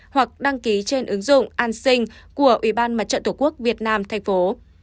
hoặc đăng ký trên ứng dụng an sinh của ủy ban mặt trận tổ quốc việt nam thành phố